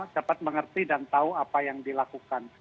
dapat mengerti dan tahu apa yang dilakukan